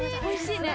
おいしい！